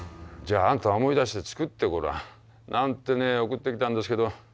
「じゃああんた思い出して作ってごらん」なんてね送ってきたんですけど。